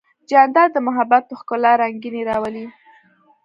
جانداد د محبت په ښکلا رنګینی راولي.